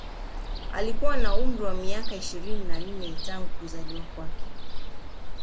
Alikuwa na umri wa miaka ishirini na nne tangu kuzaliwa kwake